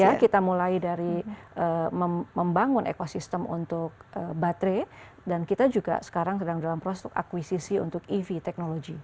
ya kita mulai dari membangun ekosistem untuk baterai dan kita juga sekarang sedang dalam proses akuisisi untuk ev technology